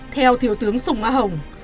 theo thiếu tướng súng a hồng